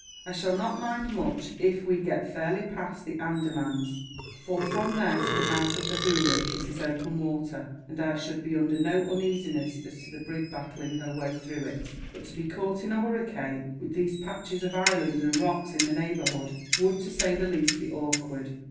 I shall not mind, much, if we get fairly past the Andamans; for from there to the mouth of the Hooghly it is open water, and I should be under no uneasiness as to the brig battling her way through it; but to be caught in a hurricane, with these patches of islands and rocks in the neighbourhood would, to say the least, be awkward."